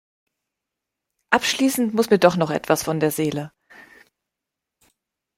Abschließend muss mir doch noch etwas von der Seele.